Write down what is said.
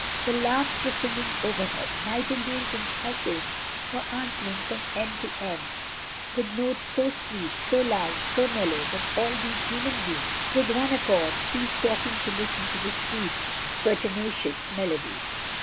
The larks were singing overhead, nightingales and thrushes were answering from end to end with gt MRS. DYMOND. notes so sweet, so loud, so mellow that all these human beings, with one accord, ceased talking to listen to the sweet pertinacious melody.